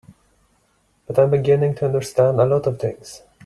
But I'm beginning to understand a lot of things.